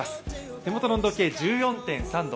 手元の温度計、１４．３度。